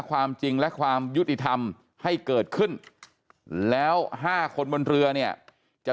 ความจริงและความยุติธรรมให้เกิดขึ้นแล้ว๕คนบนเรือเนี่ยจะ